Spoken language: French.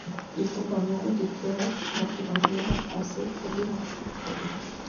Il tombe amoureux de Fleurette, la fille d'un général français, Paul De Marchand.